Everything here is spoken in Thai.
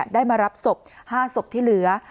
ได้มารับศพ๕ศพที่เหลือ